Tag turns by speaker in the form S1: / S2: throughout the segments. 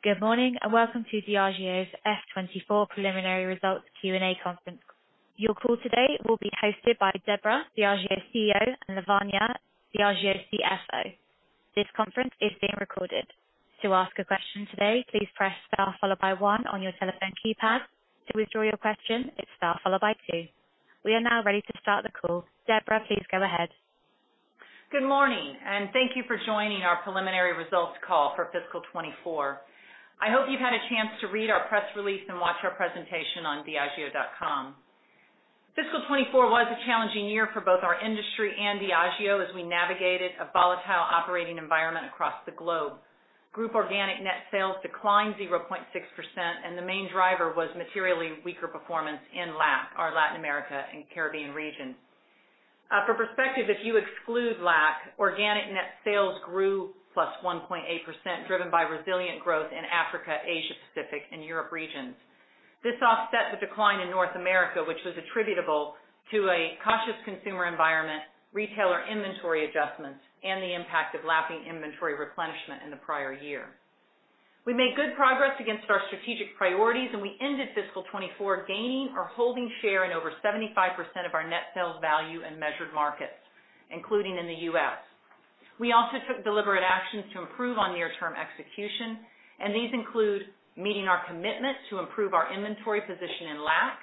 S1: Good morning, and welcome to Diageo's FY24 preliminary results Q&A conference. Your call today will be hosted by Debra, Diageo's CEO, and Lavanya, Diageo's CFO. This conference is being recorded. To ask a question today, please press star followed by one on your telephone keypad. To withdraw your question, it's star followed by two. We are now ready to start the call. Debra, please go ahead.
S2: Good morning, and thank you for joining our preliminary results call for fiscal 2024. I hope you've had a chance to read our press release and watch our presentation on diageo.com. Fiscal 2024 was a challenging year for both our industry and Diageo as we navigated a volatile operating environment across the globe. Group organic net sales declined 0.6%, and the main driver was materially weaker performance in LAC, our Latin America and Caribbean region. For perspective, if you exclude LAC, organic net sales grew +1.8%, driven by resilient growth in Africa, Asia-Pacific, and Europe regions. This offset the decline in North America, which was attributable to a cautious consumer environment, retailer inventory adjustments, and the impact of lapping inventory replenishment in the prior year. We made good progress against our strategic priorities, and we ended fiscal 2024 gaining or holding share in over 75% of our net sales value in measured markets, including in the U.S. We also took deliberate actions to improve on near-term execution, and these include meeting our commitment to improve our inventory position in LAC,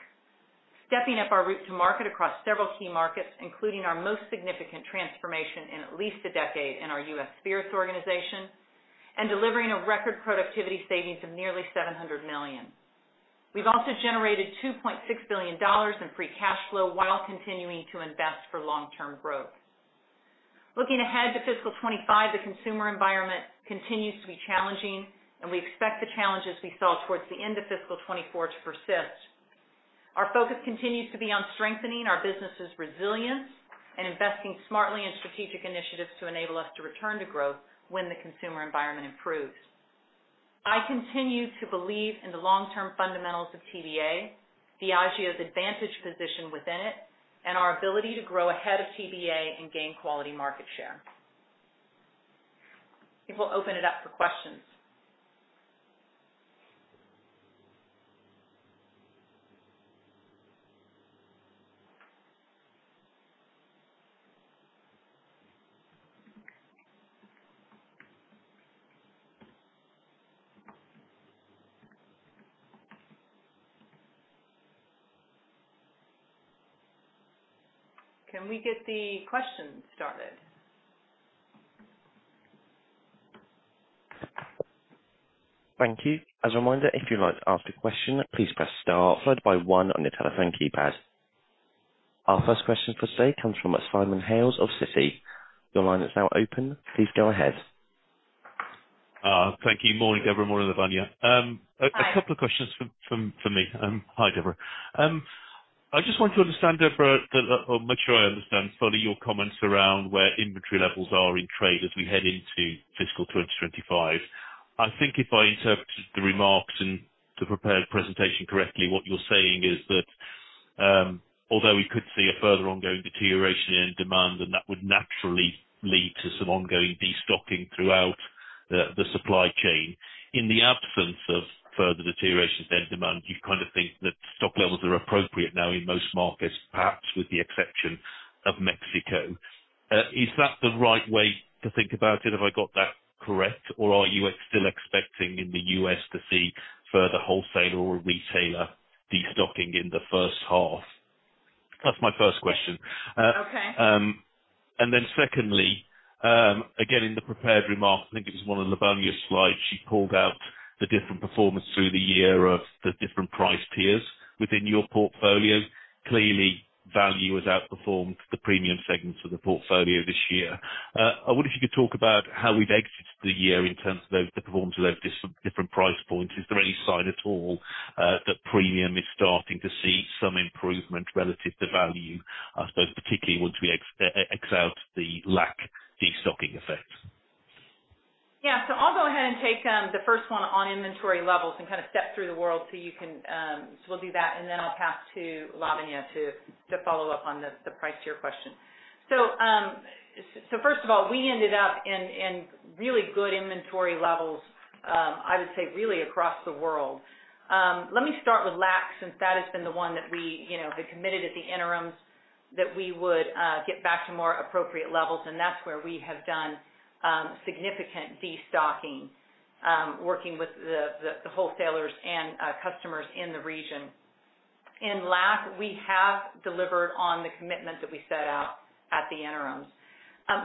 S2: stepping up our route to market across several key markets, including our most significant transformation in at least a decade in our U.S. spirits organization, and delivering a record productivity savings of nearly $700 million. We've also generated $2.6 billion in free cash flow while continuing to invest for long-term growth. Looking ahead to fiscal 2025, the consumer environment continues to be challenging, and we expect the challenges we saw towards the end of fiscal 2024 to persist. Our focus continues to be on strengthening our business's resilience and investing smartly in strategic initiatives to enable us to return to growth when the consumer environment improves. I continue to believe in the long-term fundamentals of TBA, Diageo's advantage position within it, and our ability to grow ahead of TBA and gain quality market share. I think we'll open it up for questions. Can we get the questions started?
S1: Thank you. As a reminder, if you'd like to ask a question, please press star followed by one on your telephone keypad. Our first question for today comes from Simon Hales of Citi. Your line is now open. Please go ahead.
S3: Thank you. Morning, Debra. Morning, Lavanya.
S2: Hi.
S3: A couple of questions from me. Hi, Debra. I just want to understand, Debra, or make sure I understand fully your comments around where inventory levels are in trade as we head into fiscal 2025. I think if I interpreted the remarks in the prepared presentation correctly, what you're saying is that, although we could see a further ongoing deterioration in demand, and that would naturally lead to some ongoing destocking throughout the supply chain, in the absence of further deterioration in demand, you kind of think that stock levels are appropriate now in most markets, perhaps with the exception of Mexico. Is that the right way to think about it? Have I got that correct, or are you still expecting in the U.S. to see further wholesaler or retailer destocking in the first half? That's my first question.
S2: Okay.
S3: And then secondly, again, in the prepared remarks, I think it was one of Lavanya's slides, she called out the different performance through the year of the different price tiers within your portfolio. Clearly, value has outperformed the premium segments of the portfolio this year. I wonder if you could talk about how we've exited the year in terms of the performance of those different price points. Is there any sign at all that premium is starting to see some improvement relative to value, I suppose, particularly once we take out the LAC destocking effects?
S2: Yeah, so I'll go ahead and take the first one on inventory levels and kind of step through the world so you can. So we'll do that, and then I'll pass to Lavanya to follow up on the price tier question. So, first of all, we ended up in really good inventory levels, I would say really across the world. Let me start with LAC, since that has been the one that we, you know, had committed at the interims, that we would get back to more appropriate levels, and that's where we have done significant destocking, working with the wholesalers and customers in the region. In LAC, we have delivered on the commitment that we set out at the interims.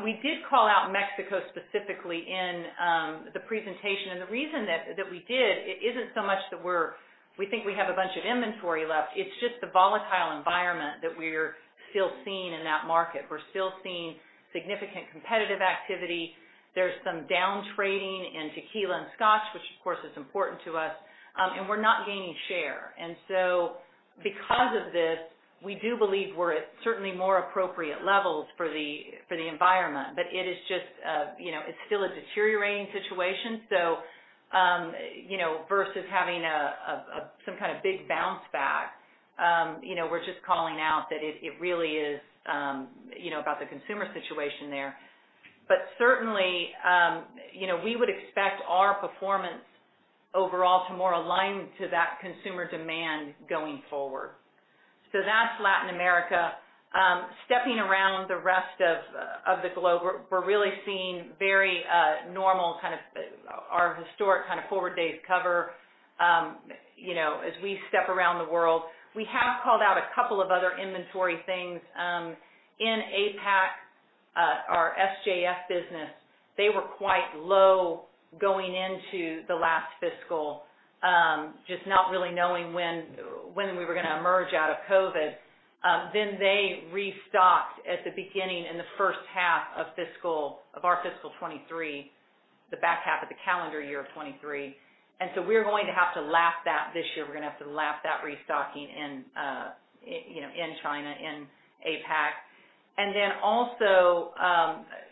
S2: We did call out Mexico, specifically in the presentation, and the reason that we did, it isn't so much that we think we have a bunch of inventory left, it's just the volatile environment that we're still seeing in that market. We're still seeing significant competitive activity. There's some down trading in tequila and scotch, which of course is important to us, and we're not gaining share. And so because of this, we do believe we're at certainly more appropriate levels for the environment. But it is just, you know, it's still a deteriorating situation. So, you know, versus having some kind of big bounce back, you know, we're just calling out that it really is, you know, about the consumer situation there. But certainly, you know, we would expect our performance overall to more align to that consumer demand going forward. So that's Latin America. Stepping around the rest of the globe, we're really seeing very normal kind of our historic kind of forward days cover, you know, as we step around the world. We have called out a couple of other inventory things. In APAC, our SJF business, they were quite low going into the last fiscal, just not really knowing when we were gonna emerge out of COVID. Then they restocked at the beginning, in the first half of fiscal, of our fiscal 2023, the back half of the calendar year of 2023. And so we're going to have to lap that this year. We're gonna have to lap that restocking in, you know, in China, in APAC. And then also,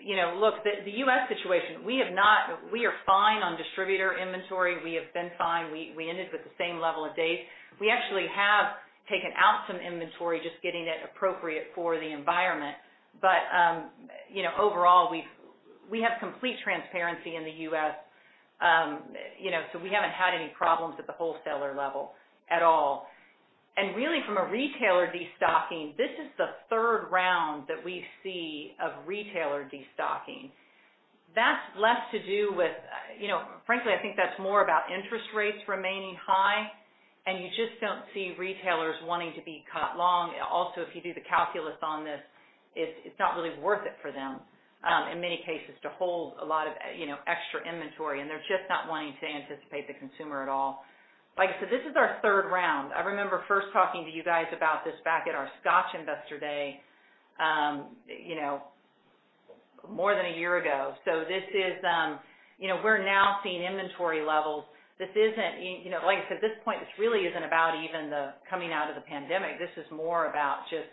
S2: you know, look, the U.S. situation, we have not... We are fine on distributor inventory. We have been fine. We ended with the same level of days. We actually have taken out some inventory, just getting it appropriate for the environment. But, you know, overall, we have complete transparency in the U.S. You know, so we haven't had any problems at the wholesaler level at all. And really, from a retailer destocking, this is the third round that we see of retailer destocking. That's less to do with, you know, frankly, I think that's more about interest rates remaining high, and you just don't see retailers wanting to be caught long. Also, if you do the calculus on this, it's, it's not really worth it for them, in many cases, to hold a lot of, you know, extra inventory, and they're just not wanting to anticipate the consumer at all. Like I said, this is our third round. I remember first talking to you guys about this back at our Scotch Investor Day, you know, more than a year ago. So this is, you know, we're now seeing inventory levels. This isn't, you know, like I said, this point, this really isn't about even the coming out of the pandemic. This is more about just,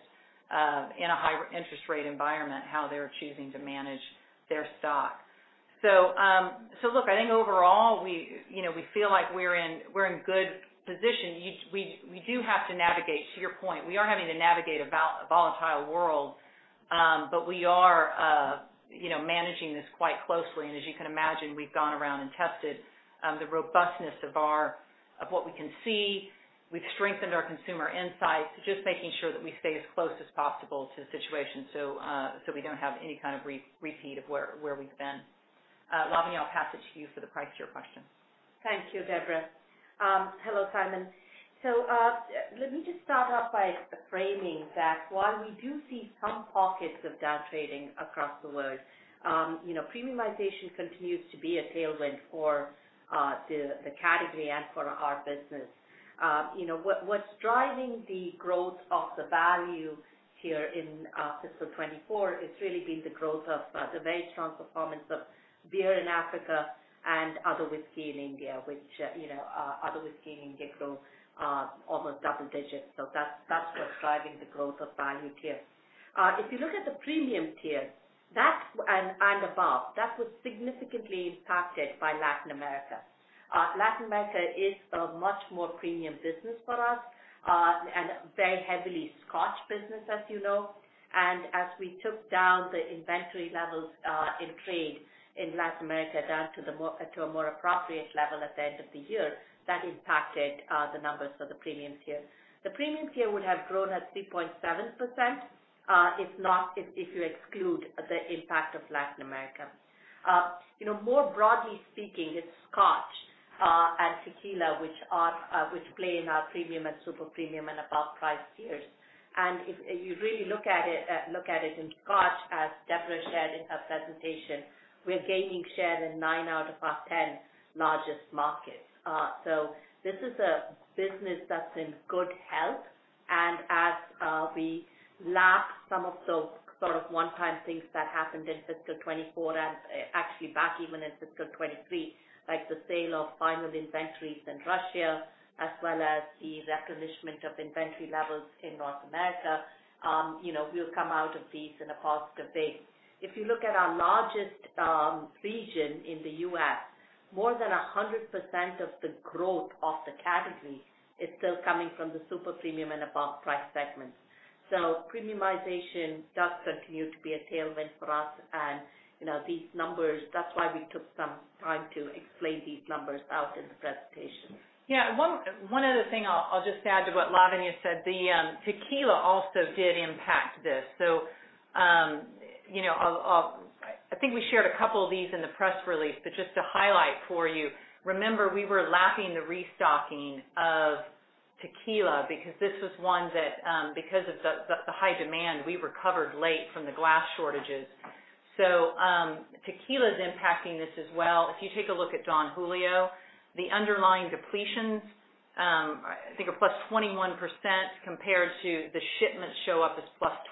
S2: in a high interest rate environment, how they're choosing to manage their stock. So, so look, I think overall, we, you know, we feel like we're in, we're in good position. We do have to navigate, to your point, we are having to navigate a volatile world, but we are, you know, managing this quite closely. As you can imagine, we've gone around and tested the robustness of our, of what we can see. We've strengthened our consumer insights, just making sure that we stay as close as possible to the situation, so, so we don't have any kind of repeat of where we've been. Lavanya, I'll pass it to you for the price tier question.
S4: Thank you, Debra. Hello, Simon. So, let me just start off by framing that while we do see some pockets of downtrading across the world, you know, premiumization continues to be a tailwind for the category and for our business. You know, what's driving the growth of the value tier here in fiscal 2024, it's really been the growth of the very strong performance of beer in Africa and other whiskey in India, which, you know, other whiskey in India grew almost double digits. So that's what's driving the growth of value tier. If you look at the premium tier and above, that was significantly impacted by Latin America. Latin America is a much more premium business for us, and very heavily Scotch business, as you know. As we took down the inventory levels in trade in Latin America down to a more appropriate level at the end of the year, that impacted the numbers for the premium tier. The premium tier would have grown at 3.7%, if you exclude the impact of Latin America. You know, more broadly speaking, it's scotch and tequila, which play in our premium and super-premium and above price tiers. And if you really look at it in scotch, as Debra shared in her presentation, we're gaining share in nine out of our 10 largest markets. So this is a business that's in good health, and as we lap some of the sort of one-time things that happened in fiscal 2024 and actually back even in fiscal 2023, like the sale of final inventories in Russia, as well as the replenishment of inventory levels in North America, you know, we'll come out of these in a positive way. If you look at our largest region in the U.S., more than 100% of the growth of the category is still coming from the super-premium and above price segments. So premiumization does continue to be a tailwind for us, and, you know, these numbers, that's why we took some time to explain these numbers out in the presentation.
S2: Yeah, one other thing I'll just add to what Lavanya said, the tequila also did impact this. So, you know, I think we shared a couple of these in the press release, but just to highlight for you, remember, we were lapping the restocking of tequila because this was one that, because of the high demand, we recovered late from the glass shortages. So, tequila's impacting this as well. If you take a look at Don Julio, the underlying depletions, I think are +21% compared to the shipments show up as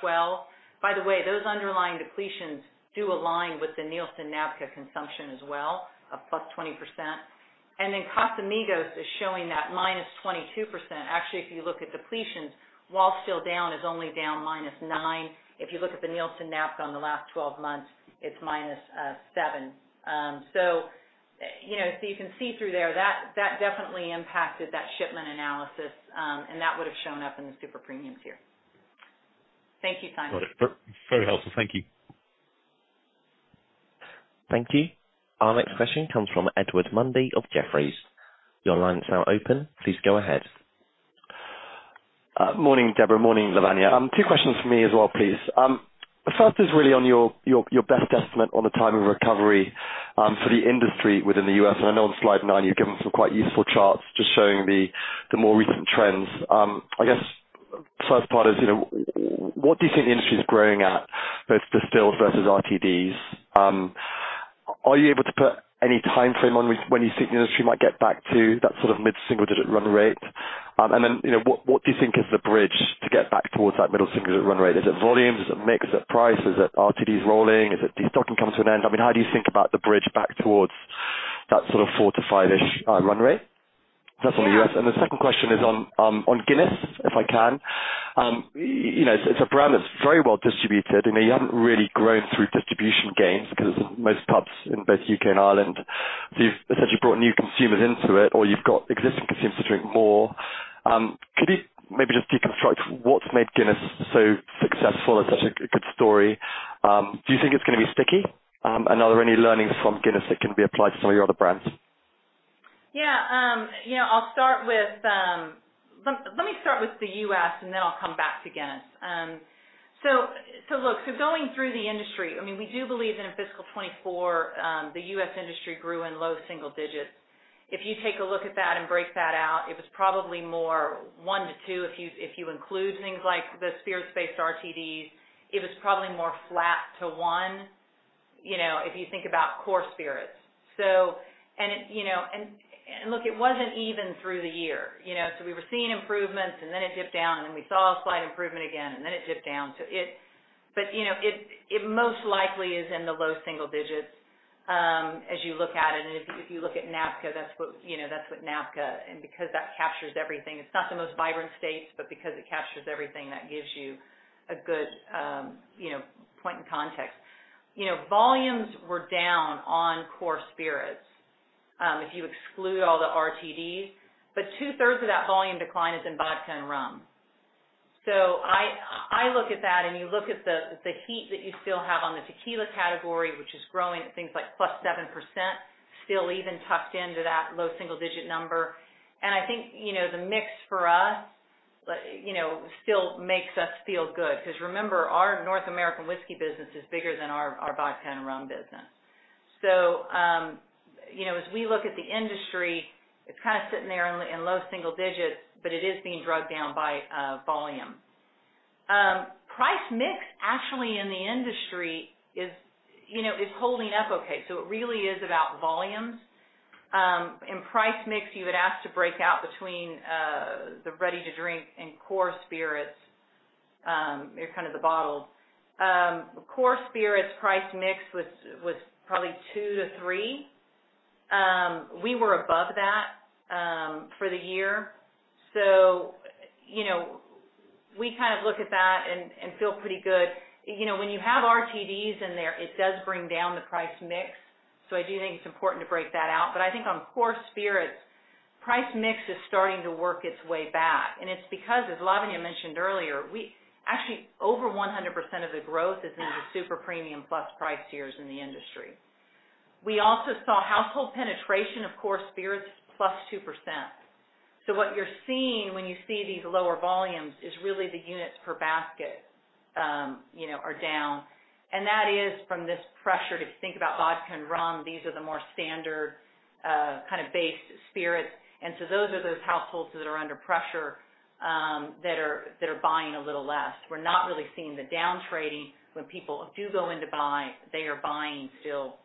S2: +12%. By the way, those underlying depletions do align with the Nielsen NABCA consumption as well, of +20%. And then Casamigos is showing that -22%. Actually, if you look at depletions, while still down, is only down -9%. If you look at the Nielsen NABCA on the last 12 months, it's -7%. You know, so you can see through there, that, that definitely impacted that shipment analysis, and that would have shown up in the super-premium tier. Thank you, Simon.
S3: Got it. Very helpful. Thank you.
S1: Thank you. Our next question comes from Edward Mundy of Jefferies. Your line is now open. Please go ahead.
S5: Morning, Debra. Morning, Lavanya. Two questions for me as well, please. The first is really on your best estimate on the time of recovery, for the industry within the U.S. And I know on slide 9, you've given some quite useful charts just showing the more recent trends. I guess, first part is, you know, what do you think the industry is growing at, both distilled versus RTDs? Are you able to put any timeframe on when you think the industry might get back to that sort of mid-single-digit run rate? And then, you know, what do you think is the bridge to get back towards that middle single-digit run rate? Is it volume? Is it mix? Is it price? Is it RTDs rolling? Is it destocking come to an end? I mean, how do you think about the bridge back towards that sort of 4-5-ish run rate? That's on the U.S. And the second question is on Guinness, if I can. You know, it's a brand that's very well distributed, and you haven't really grown through distribution gains, because most pubs in both U.K. and Ireland, so you've essentially brought new consumers into it, or you've got existing consumers to drink more. Could you maybe just deconstruct what's made Guinness so successful and such a good story? Do you think it's gonna be sticky? And are there any learnings from Guinness that can be applied to some of your other brands?
S2: Yeah. You know, I'll start with, let me start with the U.S., and then I'll come back to Guinness. So look, going through the industry, I mean, we do believe that in fiscal 2024, the U.S. industry grew in low-single digits. If you take a look at that and break that out, it was probably more 1%-2%, if you include things like the spirits-based RTDs, it was probably more flat to 1%, you know, if you think about core spirits. And look, it wasn't even through the year, you know. So we were seeing improvements, and then it dipped down, and then we saw a slight improvement again, and then it dipped down. So, but you know, it most likely is in the low-single digits as you look at it, and if you look at NABCA, that's what you know, that's what NABCA, and because that captures everything. It's not the most vibrant states, but because it captures everything, that gives you a good point and context. You know, volumes were down on core spirits if you exclude all the RTDs, but 2/3 of that volume decline is in vodka and rum. So I look at that, and you look at the heat that you still have on the tequila category, which is growing at things like +7%, still even tucked into that low-single digit number. I think, you know, the mix for us, you know, still makes us feel good, because remember, our North American whiskey business is bigger than our vodka and rum business. So, you know, as we look at the industry, it's kind of sitting there in low-single digits, but it is being dragged down by volume. Price mix actually in the industry is, you know, is holding up okay, so it really is about volumes. In price mix, you had asked to break out between the ready to drink and core spirits, they're kind of the bottled. Core spirits price mix was probably 2-3. We were above that for the year. So, you know, we kind of look at that and feel pretty good. You know, when you have RTDs in there, it does bring down the price mix, so I do think it's important to break that out. But I think on core spirits, price mix is starting to work its way back, and it's because, as Lavanya mentioned earlier, we actually, over 100% of the growth is in the super-premium plus price tiers in the industry. We also saw household penetration of core spirits +2%. So what you're seeing when you see these lower volumes is really the units per basket, you know, are down. And that is from this pressure to think about vodka and rum. These are the more standard, kind of base spirits. And so those are those households that are under pressure, that are, that are buying a little less. We're not really seeing the down trading. When people do go in to buy, they are buying still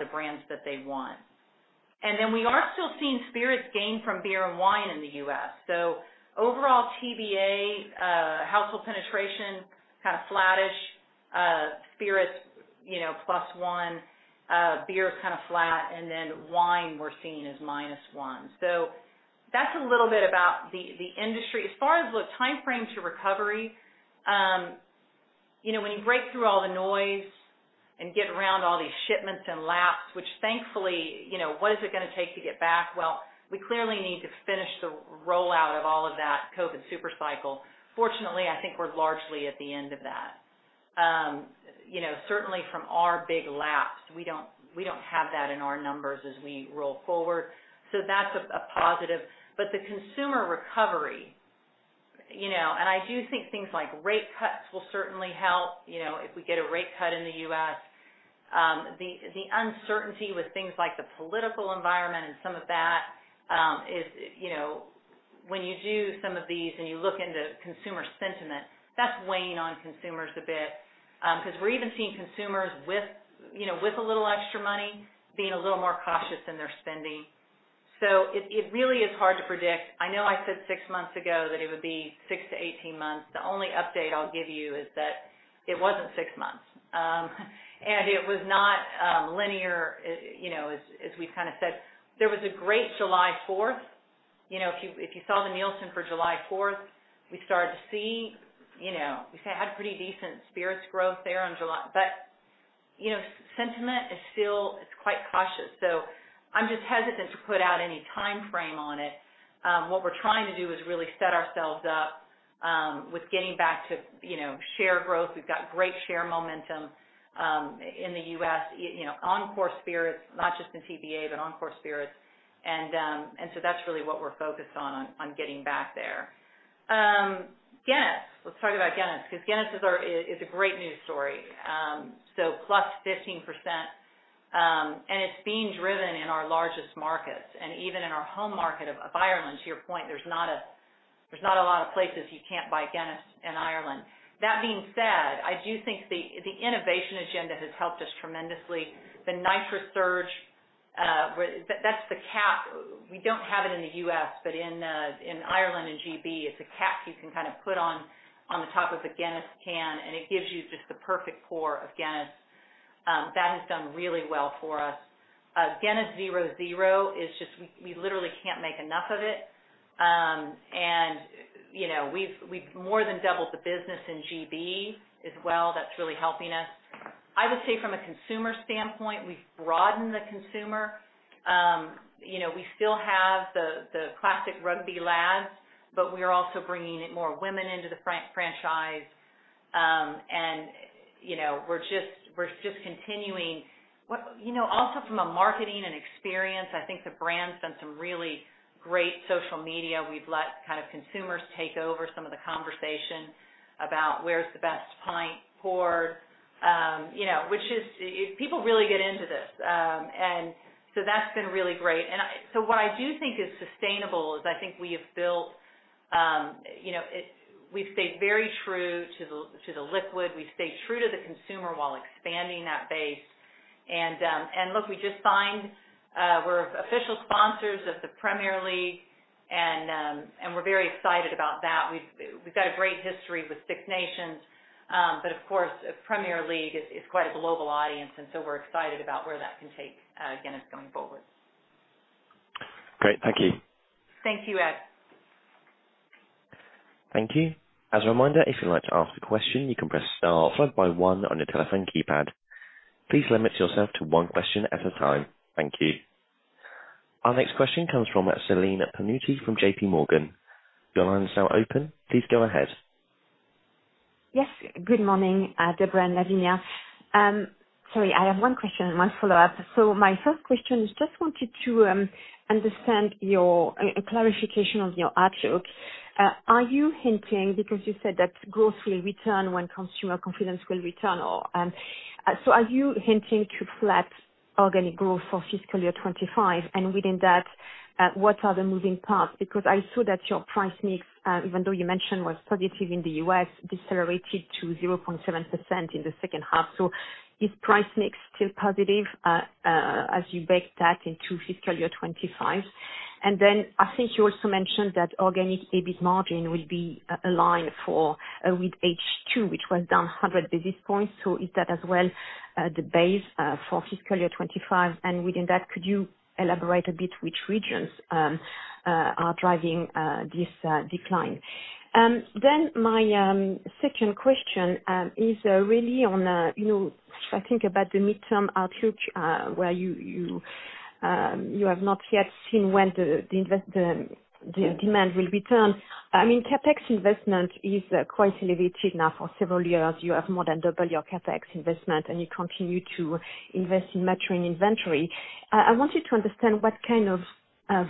S2: the brands that they want. And then we are still seeing spirits gain from beer and wine in the U.S. So overall, TBA household penetration kind of flattish, spirits, you know, +1%, beer is kind of flat, and then wine we're seeing is -1%. So that's a little bit about the industry. As far as the timeframe to recovery, you know, when you break through all the noise and get around all these shipments and laps, which thankfully, you know, what is it gonna take to get back? Well, we clearly need to finish the rollout of all of that COVID super cycle. Fortunately, I think we're largely at the end of that. You know, certainly from our big lapping, we don't, we don't have that in our numbers as we roll forward. So that's a positive. But the consumer recovery, you know, and I do think things like rate cuts will certainly help, you know, if we get a rate cut in the U.S. The uncertainty with things like the political environment and some of that, you know, when you do some of these and you look into consumer sentiment, that's weighing on consumers a bit. Because we're even seeing consumers with, you know, with a little extra money, being a little more cautious in their spending. So it really is hard to predict. I know I said six months ago that it would be 6-18 months. The only update I'll give you is that it wasn't six months. And it was not linear, you know, as we've kind of said. There was a great July 4th. You know, if you saw the Nielsen for July 4th, we started to see, you know, we had pretty decent spirits growth there on July. But, you know, sentiment is still, it's quite cautious, so I'm just hesitant to put out any time frame on it. What we're trying to do is really set ourselves up with getting back to, you know, share growth. We've got great share momentum in the U.S., you know, on core spirits, not just in TBA, but on core spirits. And so that's really what we're focused on, on getting back there. Guinness. Let's talk about Guinness, because Guinness is our, is a great news story. So +15%, and it's being driven in our largest markets and even in our home market of Ireland, to your point, there's not a lot of places you can't buy Guinness in Ireland. That being said, I do think the innovation agenda has helped us tremendously. The NitroSurge, that's the cap. We don't have it in the U.S., but in Ireland and GB, it's a cap you can kind of put on the top of the Guinness can, and it gives you just the perfect pour of Guinness. That has done really well for us. Guinness 0.0 is just - we literally can't make enough of it. And, you know, we've more than doubled the business in GB as well. That's really helping us. I would say from a consumer standpoint, we've broadened the consumer. You know, we still have the classic rugby lads, but we are also bringing in more women into the franchise. You know, we're just continuing. You know, also from a marketing and experience, I think the brand's done some really great social media. We've let kind of consumers take over some of the conversation about where's the best pint poured. You know, which is, people really get into this. And so that's been really great. And I, so what I do think is sustainable is I think we have built, you know, we've stayed very true to the liquid. We've stayed true to the consumer while expanding that base. And look, we just signed. We're official sponsors of the Premier League, and we're very excited about that. We've got a great history with Six Nations, but of course, Premier League is quite a global audience, and so we're excited about where that can take Guinness going forward.
S5: Great. Thank you.
S2: Thank you, Ed.
S1: Thank you. As a reminder, if you'd like to ask a question, you can press star followed by one on your telephone keypad. Please limit yourself to one question at a time. Thank you. Our next question comes from Celine Pannuti from JPMorgan. Your line is now open. Please go ahead.
S6: Yes, good morning, Debra and Lavanya. Sorry, I have one question and one follow-up. So my first question is just wanted to understand your clarification of your outlook. Are you hinting, because you said that growth will return when consumer confidence will return, or so are you hinting to flat organic growth for fiscal year 2025? And within that, what are the moving parts? Because I saw that your price mix, even though you mentioned, was positive in the U.S., decelerated to 0.7% in the second half. So is price mix still positive, as you bake that into fiscal year 2025? And then I think you also mentioned that organic EBIT margin will be aligned for with H2, which was down 100 basis points. So is that as well the base for fiscal year 25? And within that, could you elaborate a bit which regions are driving this decline? Then my second question is really on, you know, I think about the midterm outlook, where you have not yet seen when the investment the demand will return. I mean, CapEx investment is quite elevated now for several years. You have more than doubled your CapEx investment, and you continue to invest in maturing inventory. I wanted to understand what kind of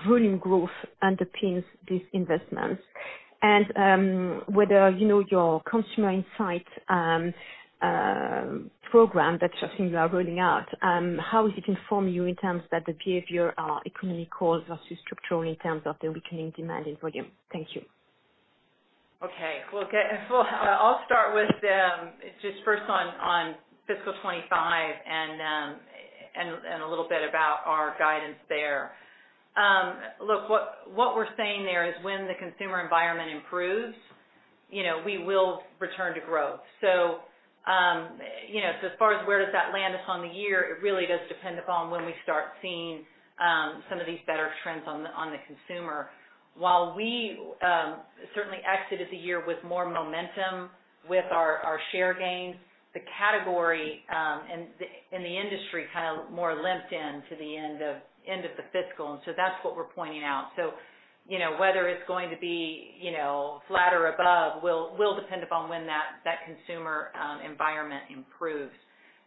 S6: volume growth underpins these investments, and whether, you know, your consumer insight program that you are rolling out, how does it inform you in terms that the behavior are economically caused versus structural in terms of the weakening demand in volume? Thank you.
S2: Okay. Well, I'll start with just first on fiscal 2025 and a little bit about our guidance there. Look, what we're saying there is when the consumer environment improves, you know, we will return to growth. So, you know, so as far as where does that land upon the year, it really does depend upon when we start seeing some of these better trends on the consumer. While we certainly exited the year with more momentum with our share gains, the category and the industry kind of more limped in to the end of the fiscal. And so that's what we're pointing out. So, you know, whether it's going to be, you know, flat or above, will depend upon when that consumer environment improves.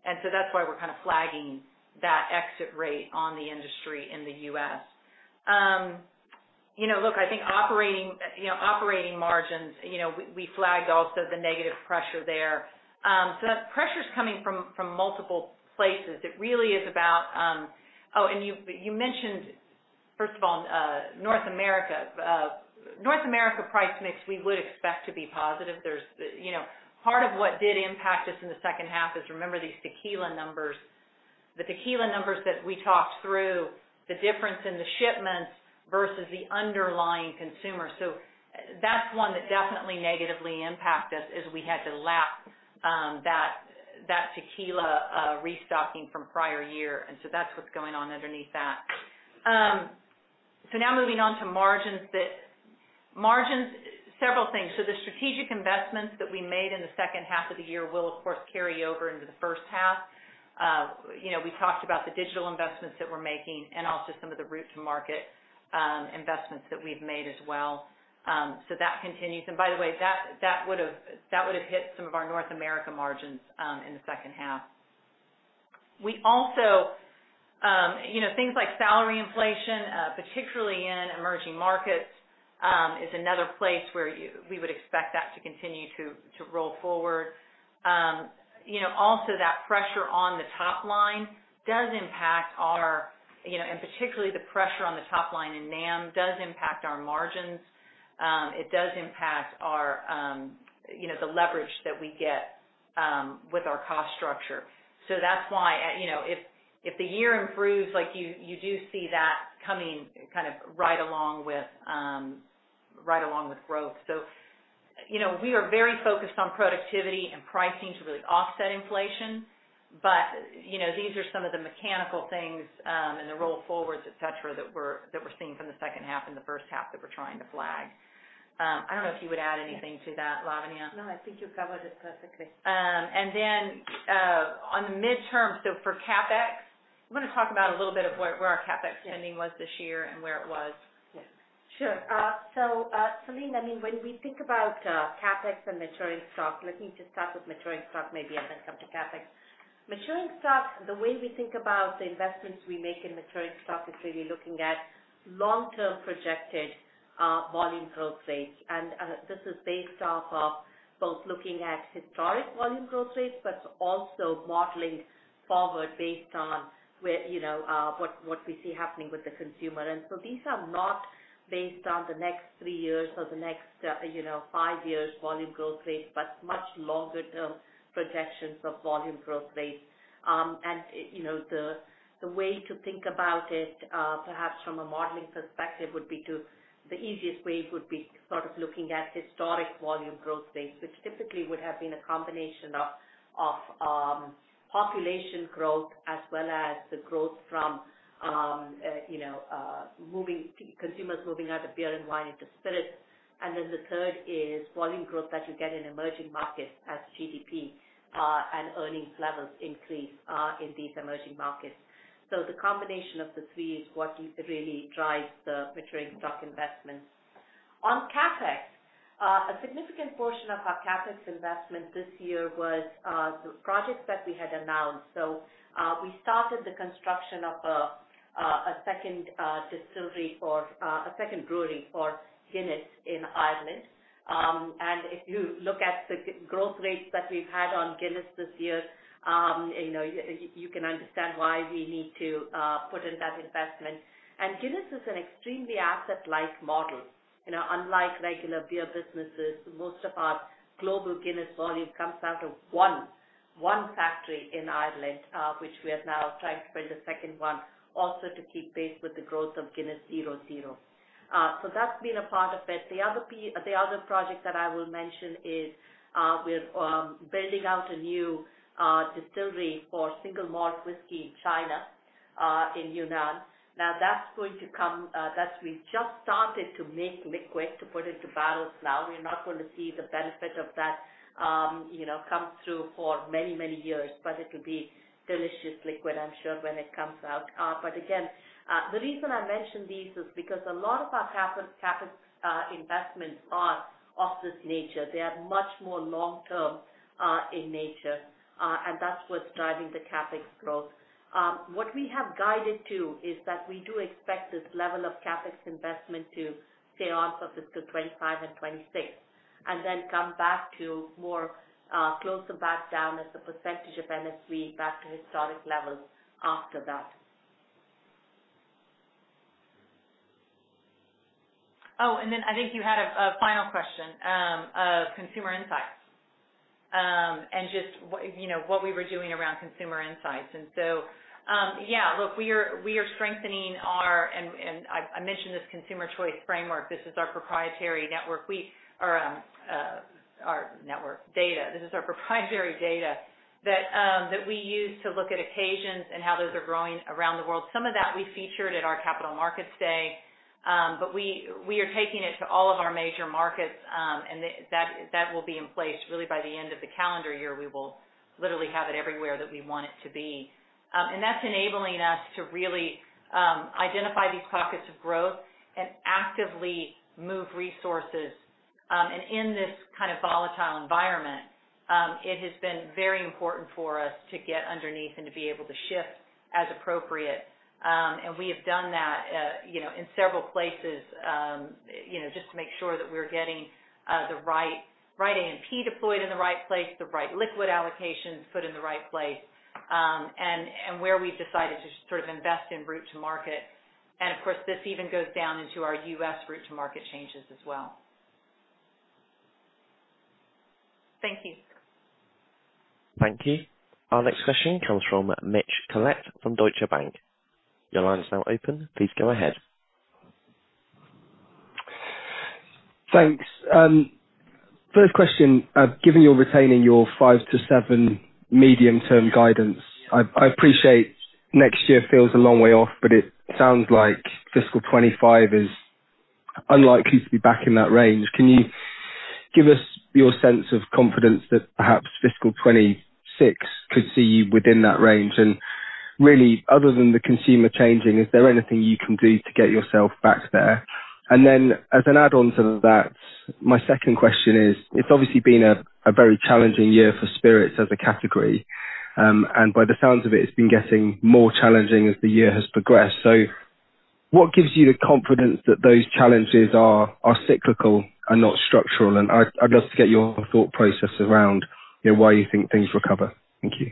S2: And so that's why we're kind of flagging that exit rate on the industry in the U.S. You know, look, I think operating, you know, operating margins, you know, we flagged also the negative pressure there. So that pressure's coming from multiple places. It really is about. Oh, and you mentioned, first of all, North America. North America price mix, we would expect to be positive. There's, you know, part of what did impact us in the second half is, remember these tequila numbers. The tequila numbers that we talked through, the difference in the shipments versus the underlying consumer. So that's one that definitely negatively impacted us as we had to lap that tequila restocking from prior year. And so that's what's going on underneath that. So now moving on to margins, that margins, several things. So the strategic investments that we made in the second half of the year will, of course, carry over into the first half. You know, we talked about the digital investments that we're making and also some of the route to market, investments that we've made as well. So that continues. And by the way, that would've hit some of our North America margins in the second half. We also, you know, things like salary inflation, particularly in emerging markets, is another place where we would expect that to continue to roll forward. You know, also, that pressure on the top line does impact our, you know, and particularly the pressure on the top line in NAM, does impact our margins. It does impact our, you know, the leverage that we get, with our cost structure. So that's why, you know, if, if the year improves, like you, you do see that coming kind of right along with, right along with growth. So, you know, we are very focused on productivity and pricing to really offset inflation. But, you know, these are some of the mechanical things, and the roll forwards, et cetera, that we're, that we're seeing from the second half and the first half that we're trying to flag. I don't know if you would add anything to that, Lavanya?
S4: No, I think you covered it perfectly.
S2: On the midterm, so for CapEx, can you talk about a little bit of where our CapEx spending was this year and where it was?
S4: Yes, sure. So, Celine, I mean, when we think about CapEx and maturing stock, let me just start with maturing stock, maybe, and then come to CapEx. Maturing stock, the way we think about the investments we make in maturing stock is really looking at long-term projected volume growth rates. And this is based off of both looking at historic volume growth rates, but also modeling forward based on where, you know, what we see happening with the consumer. And so these are not based on the next three years or the next, you know, five years volume growth rates, but much longer term projections of volume growth rates. And, you know, the way to think about it, perhaps from a modeling perspective, would be the easiest way would be sort of looking at historic volume growth rates, which typically would have been a combination of population growth, as well as the growth from, you know, consumers moving out of beer and wine into spirits. And then the third is volume growth that you get in emerging markets as GDP and earnings levels increase in these emerging markets. So the combination of the three is what really drives the maturing stock investments. On CapEx, a significant portion of our CapEx investment this year was the projects that we had announced. So, we started the construction of a second brewery for Guinness in Ireland. And if you look at the growth rates that we've had on Guinness this year, you know, you can understand why we need to put in that investment. And Guinness is an extremely asset-light model. You know, unlike regular beer businesses, most of our global Guinness volume comes out of one factory in Ireland, which we are now trying to build a second one also to keep pace with the growth of Guinness 0.0. So that's been a part of it. The other project that I will mention is, we're building out a new distillery for single malt whiskey in China, in Yunnan. Now, that's going to come, that we just started to make liquid to put into barrels now. We're not going to see the benefit of that, you know, come through for many, many years, but it'll be delicious liquid, I'm sure, when it comes out. But again, the reason I mention these is because a lot of our CapEx, CapEx, investments are of this nature. They are much more long term, in nature, and that's what's driving the CapEx growth. What we have guided to is that we do expect this level of CapEx investment to stay off of fiscal 2025 and 2026, and then come back to more, closer back down as a percentage of NSV back to historic levels after that.
S2: Oh, and then I think you had a final question of consumer insights. And just what, you know, what we were doing around consumer insights. So, yeah, look, we are strengthening our... and I mentioned this consumer choice framework. This is our proprietary network or our network data. This is our proprietary data that we use to look at occasions and how those are growing around the world. Some of that we featured at our Capital Markets Day, but we are taking it to all of our major markets, and that will be in place really by the end of the calendar year. We will literally have it everywhere that we want it to be. And that's enabling us to really identify these pockets of growth and actively move resources. And in this kind of volatile environment, it has been very important for us to get underneath and to be able to shift as appropriate. And we have done that, you know, in several places, you know, just to make sure that we're getting the right, right A&P deployed in the right place, the right liquid allocations put in the right place, and, and where we've decided to sort of invest in route to market. And of course, this even goes down into our U.S. route to market changes as well. Thank you.
S1: Thank you. Our next question comes from Mitch Collett from Deutsche Bank. Your line is now open. Please go ahead.
S7: Thanks. First question, given you're retaining your 5%-7% medium-term guidance, I appreciate next year feels a long way off, but it sounds like fiscal 2025 is unlikely to be back in that range. Can you give us your sense of confidence that perhaps fiscal 2026 could see you within that range? And really, other than the consumer changing, is there anything you can do to get yourself back there? And then, as an add-on to that, my second question is, it's obviously been a very challenging year for spirits as a category, and by the sounds of it, it's been getting more challenging as the year has progressed. So what gives you the confidence that those challenges are cyclical and not structural? And I'd love to get your thought process around, you know, why you think things recover. Thank you.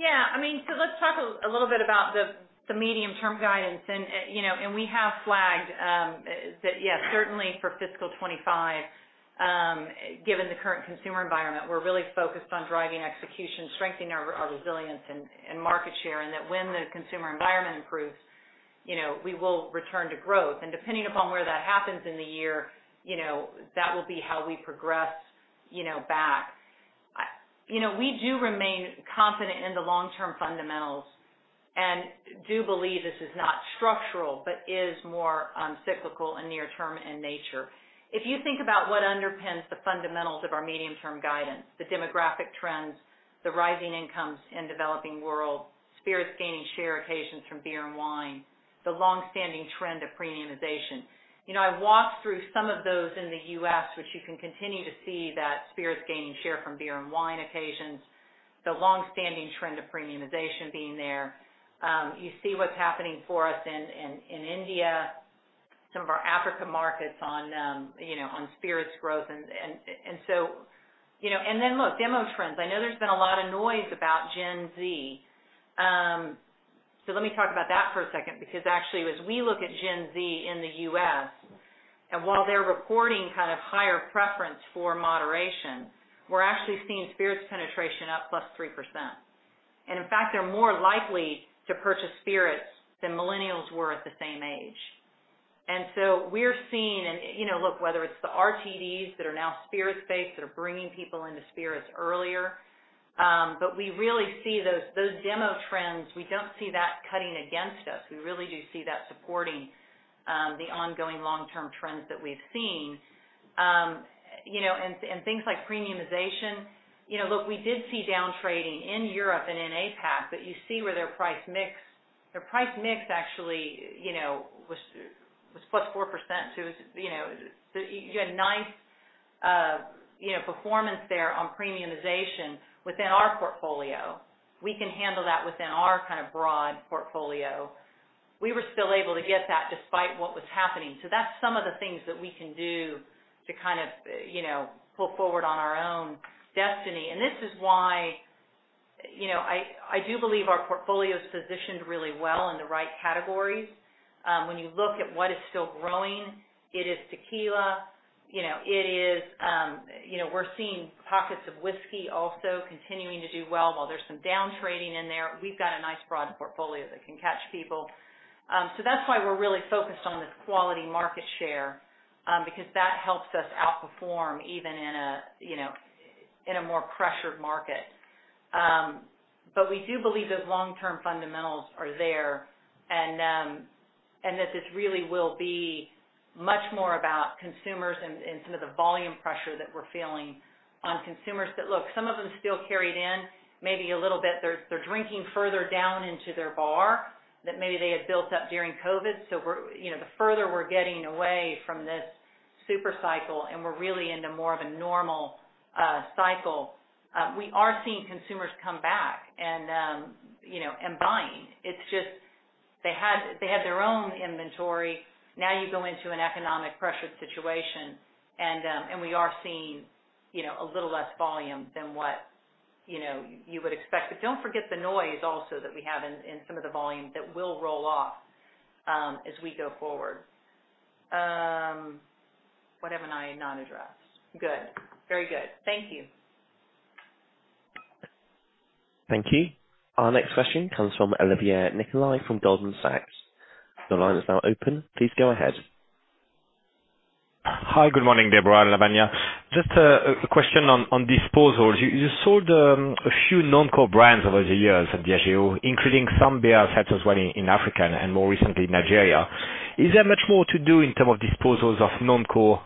S2: Yeah, I mean, so let's talk a little bit about the medium-term guidance. And, you know, we have flagged that, yes, certainly for fiscal 2025, given the current consumer environment, we're really focused on driving execution, strengthening our resilience and market share, and that when the consumer environment improves, you know, we will return to growth. And depending upon where that happens in the year, you know, that will be how we progress, you know, back. You know, we do remain confident in the long-term fundamentals, and do believe this is not structural, but is more cyclical and near term in nature. If you think about what underpins the fundamentals of our medium-term guidance, the demographic trends, the rising incomes in developing world, spirits gaining share occasions from beer and wine, the longstanding trend of premiumization. You know, I walked through some of those in the U.S., which you can continue to see that spirits gaining share from beer and wine occasions, the longstanding trend of premiumization being there. You see what's happening for us in India, some of our Africa markets on, you know, on spirits growth. And then look, demographic trends. I know there's been a lot of noise about Gen Z. So let me talk about that for a second, because actually, as we look at Gen Z in the U.S., and while they're reporting kind of higher preference for moderation, we're actually seeing spirits penetration up +3%. And in fact, they're more likely to purchase spirits than millennials were at the same age. So we're seeing, you know, look, whether it's the RTDs that are now spirits-based, that are bringing people into spirits earlier, but we really see those demo trends, we don't see that cutting against us. We really do see that supporting the ongoing long-term trends that we've seen. You know, and things like premiumization, you know, look, we did see down trading in Europe and in APAC, but you see where their price mix actually, you know, was +4%, so it was, you know, you had nice, you know, performance there on premiumization within our portfolio. We can handle that within our kind of broad portfolio. We were still able to get that despite what was happening. So that's some of the things that we can do to kind of, you know, pull forward on our own destiny. And this is why, you know, I do believe our portfolio is positioned really well in the right categories. When you look at what is still growing, it is tequila, you know, it is, we're seeing pockets of whiskey also continuing to do well. While there's some down trading in there, we've got a nice broad portfolio that can catch people. So that's why we're really focused on this quality market share, because that helps us outperform even in a you know, in a more pressured market. But we do believe those long-term fundamentals are there, and, and that this really will be much more about consumers and, and some of the volume pressure that we're feeling on consumers, that, look, some of them still carried in maybe a little bit. They're, they're drinking further down into their bar that maybe they had built up during COVID. So we're, you know, the further we're getting away from this super cycle, and we're really into more of a normal, cycle, we are seeing consumers come back and, you know, and buying. It's just they had, they had their own inventory, now you go into an economic pressured situation and, and we are seeing, you know, a little less volume than what, you know, you would expect. But don't forget the noise also that we have in some of the volume that will roll off, as we go forward. What have I not addressed? Good. Very good. Thank you.
S1: Thank you. Our next question comes from Olivier Nicolai, from Goldman Sachs. Your line is now open. Please go ahead.
S8: Hi, good morning, Debra and Lavanya. Just a question on disposals. You, you sold a few non-core brands over the years at Diageo, including some beer assets while in Africa and more recently, Nigeria. Is there much more to do in terms of disposals of non-core